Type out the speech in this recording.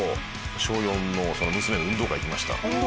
小４の娘の運動会行きました。